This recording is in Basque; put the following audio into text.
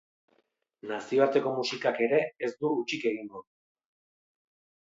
Nazioarteko musikak ere ez du hutsik egingo.